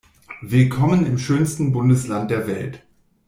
Willkommen im schönsten Bundesland der Welt!